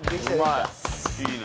いいね。